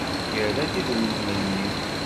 Yerra-d idrimen-nni.